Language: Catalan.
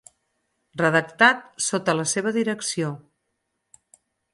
Redactat sota la seva direcció.